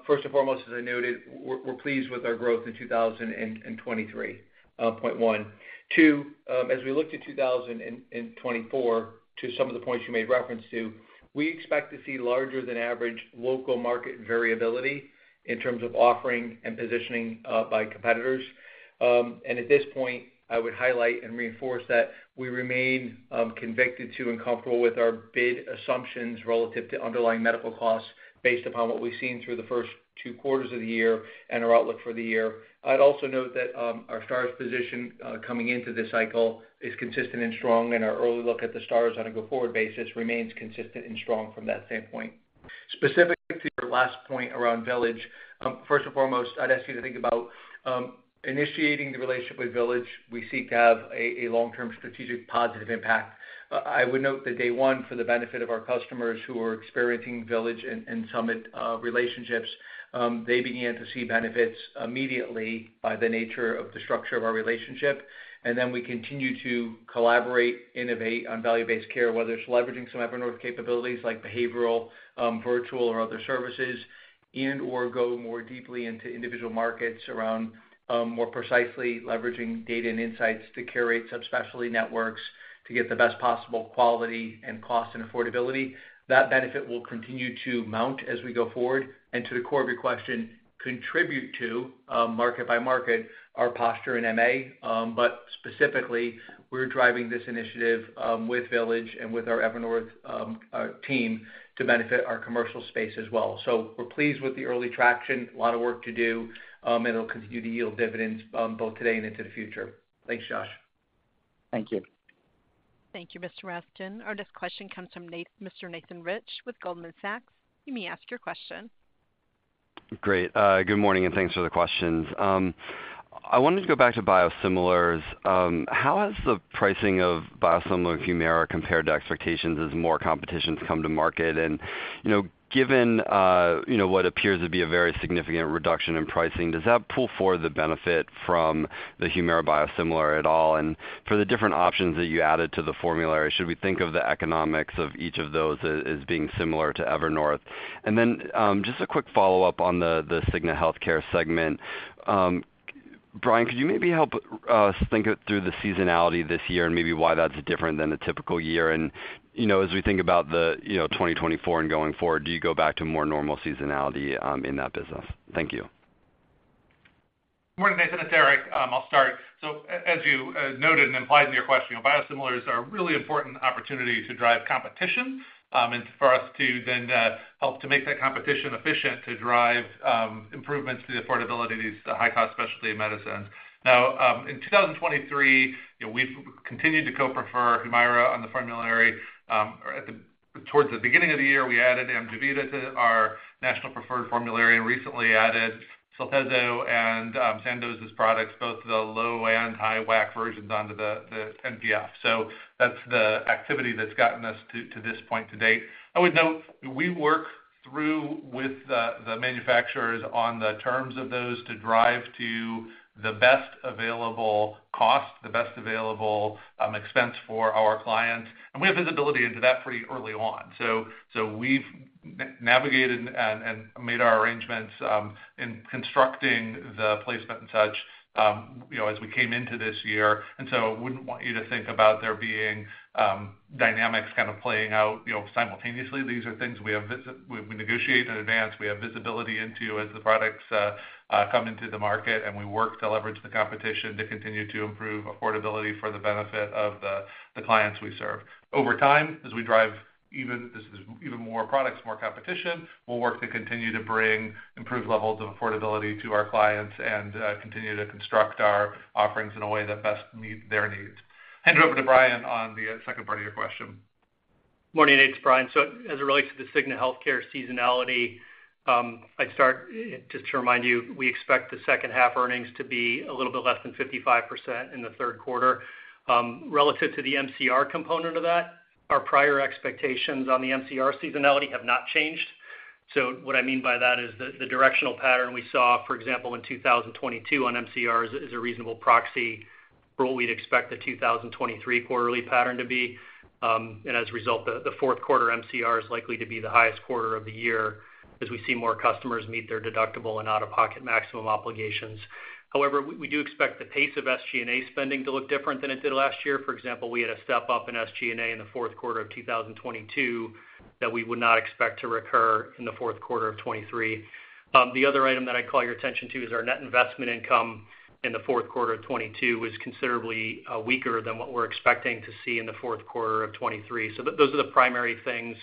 First and foremost, as I noted, we're pleased with our growth in 2023, point one. Two, as we look to 2024, to some of the points you made reference to, we expect to see larger than average local market variability in terms of offering and positioning by competitors. At this point, I would highlight and reinforce that we remain, convicted to and comfortable with our bid assumptions relative to underlying medical costs, based upon what we've seen through the first 2 quarters of the year and our outlook for the year. I'd also note that, our Stars position, coming into this cycle is consistent and strong, and our early look at the Stars on a go-forward basis remains consistent and strong from that same point. Specific to your last point around Village, first and foremost, I'd ask you to think about, initiating the relationship with Village. We seek to have a long-term strategic positive impact. I would note that day one, for the benefit of our customers who are experiencing Village and, and Summit relationships, they began to see benefits immediately by the nature of the structure of our relationship. We continue to collaborate, innovate on value-based care, whether it's leveraging some Evernorth capabilities like behavioral, virtual or other services, and/or go more deeply into individual markets around more precisely leveraging data and insights to curate subspecialty networks to get the best possible quality and cost and affordability. That benefit will continue to mount as we go forward, and to the core of your question, contribute to market by market, our posture in MA. Specifically, we're driving this initiative with Village and with our Evernorth team, to benefit our commercial space as well. We're pleased with the early traction. A lot of work to do, and it'll continue to yield dividends, both today and into the future. Thanks, Josh. Thank you. Thank you, Mr. Raskin. Our next question comes from Mr. Nathan Rich with Goldman Sachs. You may ask your question. Great. Good morning, and thanks for the questions. I wanted to go back to biosimilars. How has the pricing of biosimilar Humira compared to expectations as more competitions come to market? You know, given, you know, what appears to be a very significant reduction in pricing, does that pull forward the benefit from the Humira biosimilar at all? For the different options that you added to the formulary, should we think of the economics of each of those as being similar to Evernorth? Then, just a quick follow-up on the Cigna Healthcare segment. Brian, could you maybe help us think through the seasonality this year and maybe why that's different than a typical year? You know, as we think about the, you know, 2024 and going forward, do you go back to more normal seasonality in that business? Thank you. Morning, Nathan Rich, it's Eric Palmer. I'll start. As you noted and implied in your question, biosimilars are a really important opportunity to drive competition, and for us to then help to make that competition efficient to drive improvements to the affordability of these high-cost specialty medicines. Now, in 2023, you know, we've continued to co-prefer Humira on the formulary. At towards the beginning of the year, we added Amjevita to our National Preferred Formulary, and recently added Cyltezo and Sandoz's products, both the low and high WAC versions, onto the NPF. That's the activity that's gotten us to, to this point to date. I would note, we work through with the, the manufacturers on the terms of those to drive to the best available cost, the best available, expense for our clients, and we have visibility into that pretty early on. We've navigated and, and made our arrangements, in constructing the placement and such, you know, as we came into this year. I wouldn't want you to think about there being, dynamics kind of playing out, you know, simultaneously. These are things we have visibility we, we negotiate in advance. We have visibility into as the products, come into the market, and we work to leverage the competition to continue to improve affordability for the benefit of the, the clients we serve. Over time, as we drive this is even more products, more competition, we'll work to continue to bring improved levels of affordability to our clients and continue to construct our offerings in a way that best meet their needs. Hand it over to Brian on the second part of your question. Morning, Nate, it's Brian. As it relates to the Cigna Healthcare seasonality, I'd start just to remind you, we expect the second half earnings to be a little bit less than 55% in the third quarter. Relative to the MCR component of that, our prior expectations on the MCR seasonality have not changed. What I mean by that is the, the directional pattern we saw, for example, in 2022 on MCR is a, is a reasonable proxy for what we'd expect the 2023 quarterly pattern to be. And as a result, the, the fourth quarter MCR is likely to be the highest quarter of the year as we see more customers meet their deductible and out-of-pocket maximum obligations. However, we, we do expect the pace of SG&A spending to look different than it did last year. For example, we had a step-up in SG&A in the fourth quarter of 2022, that we would not expect to recur in the fourth quarter of 2023. The other item that I'd call your attention to is our net investment income in the fourth quarter of 2022 was considerably weaker than what we're expecting to see in the fourth quarter of 2023. Those are the primary things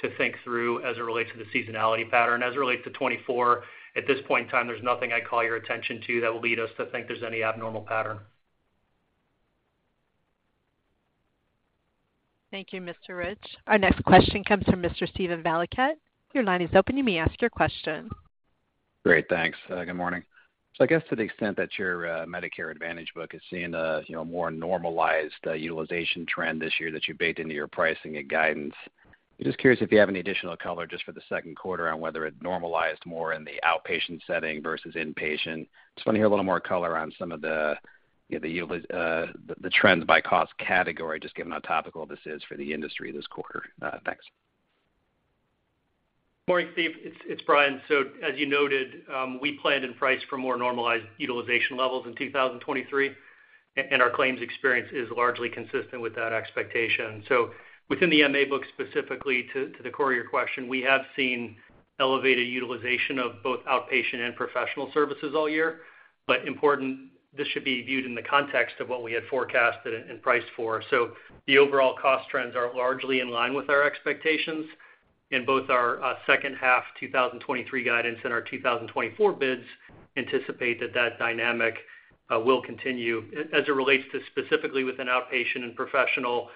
to think through as it relates to the seasonality pattern. As it relates to 2024, at this point in time, there's nothing I'd call your attention to that will lead us to think there's any abnormal pattern. Thank you, Mr. Rich. Our next question comes from Mr. Steven Valiquette. Your line is open. You may ask your question. Great. Thanks, good morning. I guess to the extent that your Medicare Advantage book is seeing a, you know, more normalized utilization trend this year that you baked into your pricing and guidance, I'm just curious if you have any additional color just for the second quarter on whether it normalized more in the outpatient setting versus inpatient. Just want to hear a little more color on some of the, you know, the trends by cost category, just given how topical this is for the industry this quarter. Thanks. Morning, Steven Valiquette. It's Brian Evanko. As you noted, we planned and priced for more normalized utilization levels in 2023, and our claims experience is largely consistent with that expectation. Important, this should be viewed in the context of what we had forecasted and priced for. The overall cost trends are largely in line with our expectations, and both our second half 2023 guidance and our 2024 bids anticipate that that dynamic will continue. As it relates to specifically within outpatient and professional,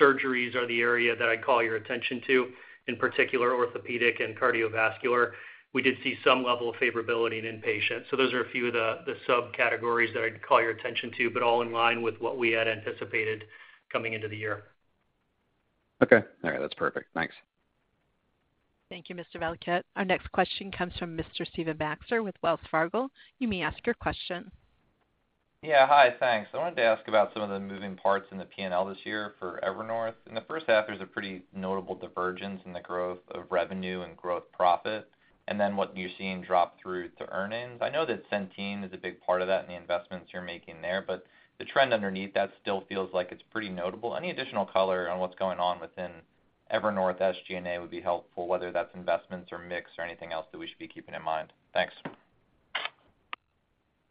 surgeries are the area that I'd call your attention to, in particular, orthopedic and cardiovascular. We did see some level of favorability in inpatient. Those are a few of the, the subcategories that I'd call your attention to, but all in line with what we had anticipated coming into the year. Okay. All right. That's perfect. Thanks. Thank you, Mr. Valiquette. Our next question comes from Mr. Stephen Baxter with Wells Fargo. You may ask your question. Yeah. Hi, thanks. I wanted to ask about some of the moving parts in the P&L this year for Evernorth. In the first half, there's a pretty notable divergence in the growth of revenue and growth profit, and then what you're seeing drop through to earnings. I know that Centene is a big part of that and the investments you're making there, but the trend underneath that still feels like it's pretty notable. Any additional color on what's going on within Evernorth SG&A would be helpful, whether that's investments or mix or anything else that we should be keeping in mind. Thanks.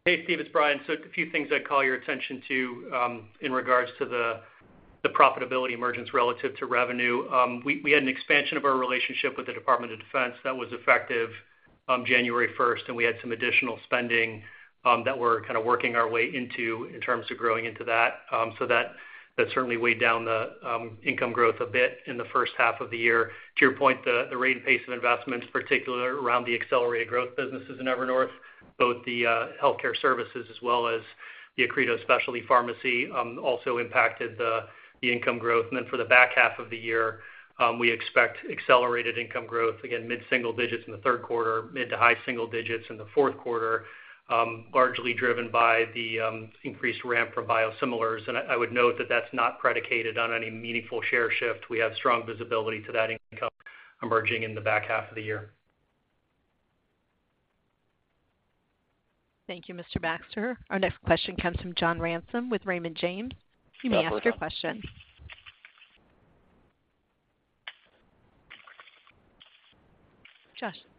Hey, Steve, it's Brian. A few things I'd call your attention to, in regards to the profitability emergence relative to revenue. We, we had an expansion of our relationship with the Department of Defense that was effective... January 1st, and we had some additional spending, that we're kind of working our way into in terms of growing into that. That, that certainly weighed down the income growth a bit in the first half of the year. To your point, the rate and pace of investment, in particular, around the accelerated growth businesses in Evernorth, both the healthcare services as well as the Accredo Specialty Pharmacy, also impacted the income growth. For the back half of the year, we expect accelerated income growth, again, mid-single digits in the third quarter, mid to high single digits in the fourth quarter, largely driven by the increased ramp from biosimilars. I, I would note that that's not predicated on any meaningful share shift. We have strong visibility to that income emerging in the back half of the year. Thank you, Mr. Baxter. Our next question comes from John Ransom with Raymond James. You may ask your question.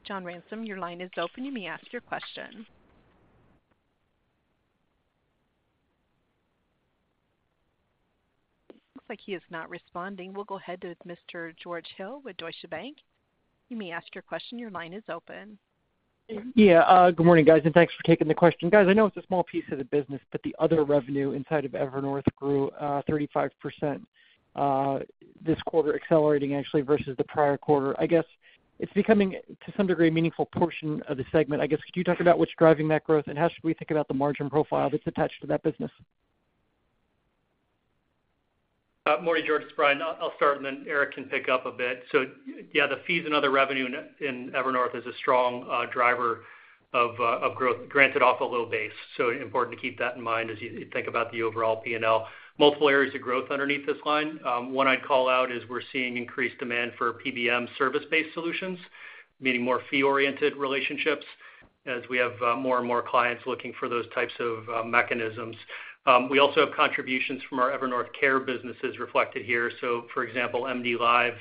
John Ransom, your line is open. You may ask your question. Looks like he is not responding. We'll go ahead to Mr. George Hill with Deutsche Bank. You may ask your question. Your line is open. Yeah, good morning, guys. Thanks for taking the question. Guys, I know it's a small piece of the business. The other revenue inside of Evernorth grew 35% this quarter, accelerating actually versus the prior quarter. I guess it's becoming, to some degree, a meaningful portion of the segment. I guess, could you talk about what's driving that growth, and how should we think about the margin profile that's attached to that business? Morning, George, it's Brian. I'll start, and then Eric can pick up a bit. Yeah, the fees and other revenue in Evernorth is a strong driver of growth, granted off a low base. Important to keep that in mind as you think about the overall P&L. Multiple areas of growth underneath this line. One I'd call out is we're seeing increased demand for PBM service-based solutions, meaning more fee-oriented relationships, as we have more and more clients looking for those types of mechanisms. We also have contributions from our Evernorth care businesses reflected here. For example, MDLIVE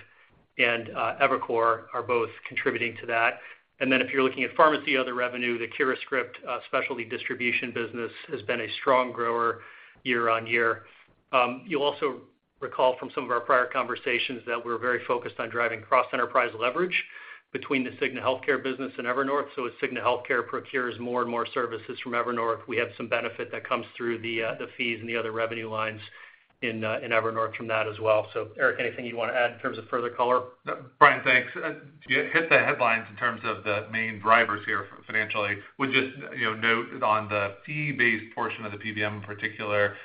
and eviCore are both contributing to that. Then if you're looking at pharmacy, other revenue, the CuraScript specialty distribution business has been a strong grower year-on-year. You'll also recall from some of our prior conversations that we're very focused on driving cross-enterprise leverage between the Cigna Healthcare business and Evernorth. As Cigna Healthcare procures more and more services from Evernorth, we have some benefit that comes through the fees and the other revenue lines in Evernorth from that as well. Eric, anything you want to add in terms of further color? Brian, thanks. You hit the headlines in terms of the main drivers here financially. Would just, you know, note on the fee-based portion of the PBM in particular,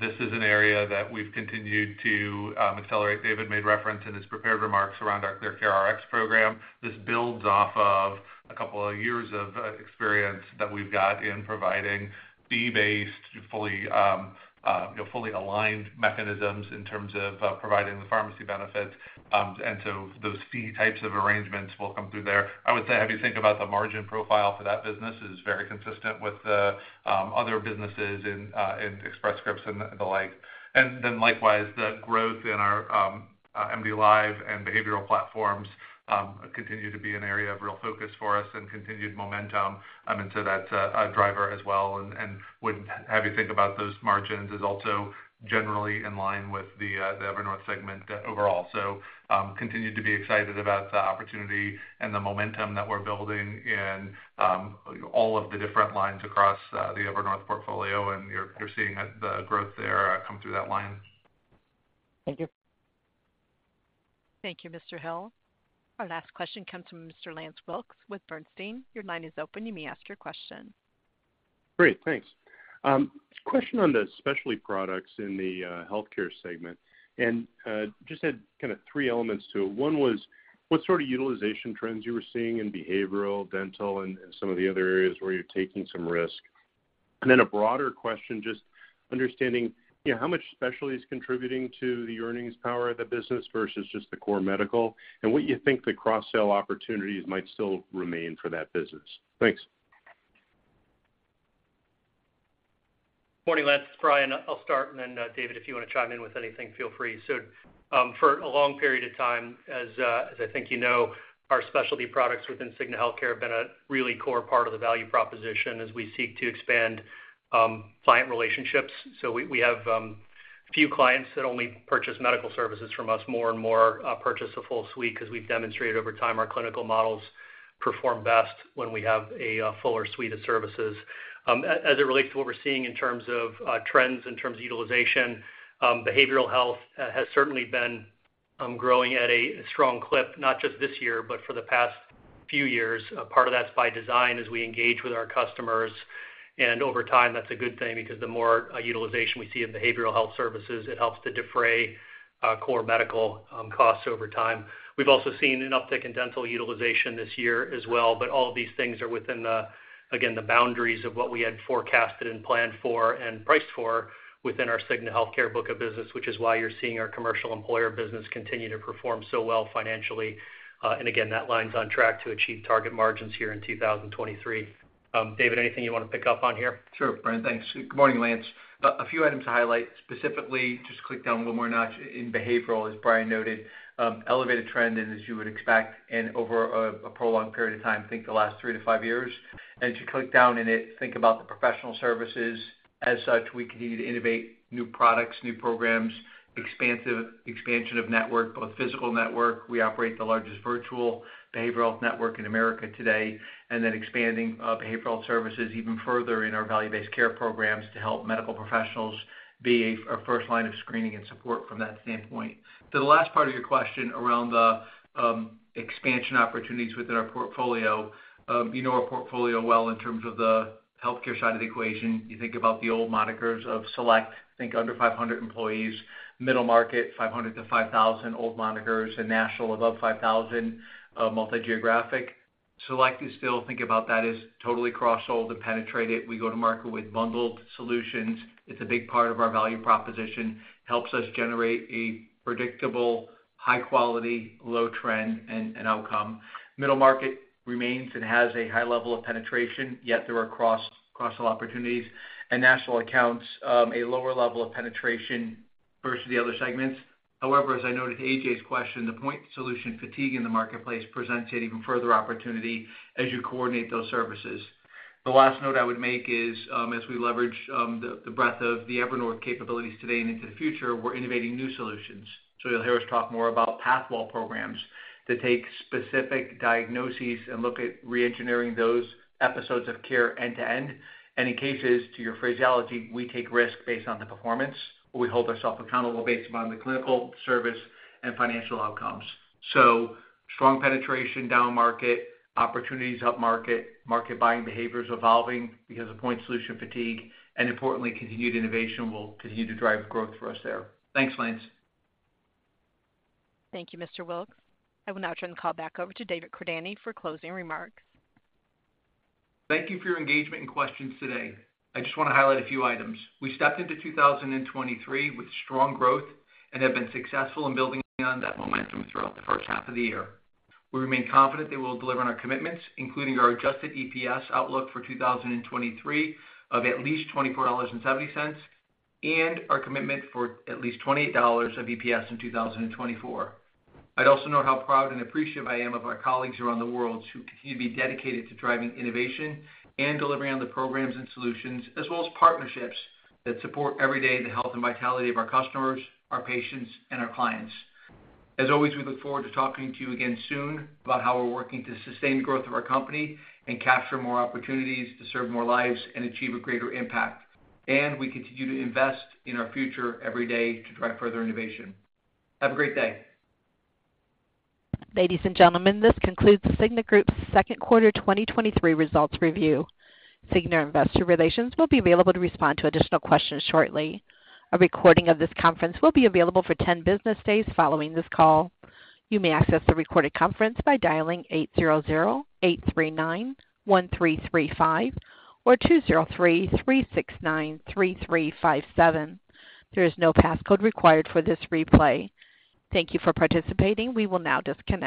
this is an area that we've continued to accelerate. David made reference in his prepared remarks around our ClearCareRx program. This builds off of a couple of years of experience that we've got in providing fee-based, fully, you know, fully aligned mechanisms in terms of providing the pharmacy benefits. Those fee types of arrangements will come through there. I would say, have you think about the margin profile for that business is very consistent with the other businesses in Express Scripts and the like. Then likewise, the growth in our MDLIVE and behavioral platforms, continue to be an area of real focus for us and continued momentum. I mean, so that's a, a driver as well, and, and would have you think about those margins is also generally in line with the Evernorth segment overall. Continue to be excited about the opportunity and the momentum that we're building in all of the different lines across the Evernorth portfolio, and you're, you're seeing the growth there, come through that line. Thank you. Thank you, Mr. Hill. Our last question comes from Mr. Lance Wilkes with Bernstein. Your line is open. You may ask your question. Great, thanks. Question on the specialty products in the healthcare segment, and just had kind of three elements to it. One was, what sort of utilization trends you were seeing in behavioral, dental, and in some of the other areas where you're taking some risk? Then a broader question, just understanding, you know, how much specialty is contributing to the earnings power of the business versus just the core medical, and what you think the cross-sell opportunities might still remain for that business? Thanks. Morning, Lance. Brian, I'll start, and then David, if you wanna chime in with anything, feel free. For a long period of time, as I think you know, our specialty products within Cigna Healthcare have been a really core part of the value proposition as we seek to expand client relationships. We, we have a few clients that only purchase medical services from us, more and more purchase a full suite. As we've demonstrated over time, our clinical models perform best when we have a fuller suite of services. As it relates to what we're seeing in terms of trends, in terms of utilization, behavioral health has certainly been growing at a strong clip, not just this year, but for the past few years. Part of that's by design as we engage with our customers, and over time, that's a good thing, because the more utilization we see in behavioral health services, it helps to defray core medical costs over time. We've also seen an uptick in dental utilization this year as well, but all of these things are within the, again, the boundaries of what we had forecasted and planned for and priced for within our Cigna Healthcare book of business, which is why you're seeing our commercial employer business continue to perform so well financially. Again, that line's on track to achieve target margins here in 2023. David, anything you want to pick up on here? Sure, Brian, thanks. Good morning, Lance. A few items to highlight, specifically, just to click down one more notch in behavioral, as Brian noted, elevated trend, and as you would expect, and over a prolonged period of time, think the last 3 to 5 years. As you click down in it, think about the professional services. As such, we continue to innovate new products, new programs, expansion of network, both physical network. We operate the largest virtual behavioral health network in America today, and then expanding behavioral health services even further in our value-based care programs to help medical professionals be a first line of screening and support from that standpoint. To the last part of your question around the expansion opportunities within our portfolio, you know our portfolio well in terms of the healthcare side of the equation. You think about the old monikers of select, I think under 500 employees, middle market, 500 old monikers-5,000, old monikers, and national, above 5,000, multi-geographic. select, we still think about that as totally cross-sold and penetrated. We go to market with bundled solutions. It's a big part of our value proposition, helps us generate a predictable, high quality, low trend and, and outcome. Middle market remains and has a high level of penetration, yet there are cross, cross-sell opportunities. National accounts, a lower level of penetration versus the other segments. However, as I noted in A.J.'s question, the point solution fatigue in the marketplace presents an even further opportunity as you coordinate those services. The last note I would make is, as we leverage the breadth of the Evernorth capabilities today and into the future, we're innovating new solutions. You'll hear us talk more about pathway programs that take specific diagnoses and look at reengineering those episodes of care end to end. In cases, to your phraseology, we take risk based on the performance. We hold ourselves accountable based upon the clinical service and financial outcomes. Strong penetration down market, opportunities up market, market buying behavior is evolving because of point solution fatigue, and importantly, continued innovation will continue to drive growth for us there. Thanks, Lance. Thank you, Mr. Wilkes. I will now turn the call back over to David Cordani for closing remarks. Thank you for your engagement and questions today. I just want to highlight a few items. We stepped into 2023 with strong growth and have been successful in building on that momentum throughout the first half of the year. We remain confident that we'll deliver on our commitments, including our adjusted EPS outlook for 2023 of at least $24.70, and our commitment for at least $28 of EPS in 2024. I'd also note how proud and appreciative I am of our colleagues around the world who continue to be dedicated to driving innovation and delivering on the programs and solutions, as well as partnerships that support every day the health and vitality of our customers, our patients, and our clients. As always, we look forward to talking to you again soon about how we're working to sustain the growth of our company and capture more opportunities to serve more lives and achieve a greater impact. We continue to invest in our future every day to drive further innovation. Have a great day. Ladies and gentlemen, this concludes The Cigna Group's second quarter 2023 results review. Cigna Investor Relations will be available to respond to additional questions shortly. A recording of this conference will be available for 10 business days following this call. You may access the recorded conference by dialing 800-839-1335 or 203-369-3357. There is no passcode required for this replay. Thank you for participating. We will now disconnect.